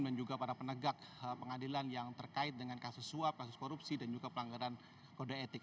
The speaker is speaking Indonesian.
dan juga para penegak pengadilan yang terkait dengan kasus suap kasus korupsi dan juga pelanggaran kode etik